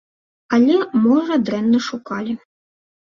Але, можа, дрэнна шукалі.